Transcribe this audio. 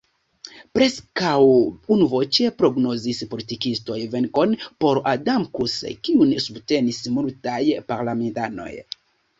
Preskaŭ unuvoĉe prognozis politikistoj venkon por Adamkus, kiun subtenis multaj parlamentanoj.